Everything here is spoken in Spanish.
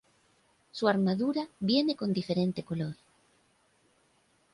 Su armadura viene con diferente color.